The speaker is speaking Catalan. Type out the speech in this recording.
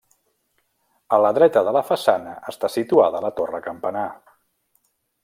A la dreta de la façana està situada la torre campanar.